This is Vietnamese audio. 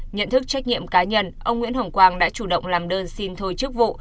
nhận thức trách nhiệm cá nhân ông nguyễn hồng quang đã chủ động làm đơn xin thôi chức vụ